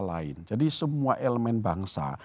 lain jadi semua elemen bangsa